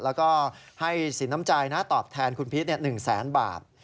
แล้วก็ให้สินน้ำใจนะตอบแทนคุณพีชเนี่ย๑๐๐๐๐๐บาท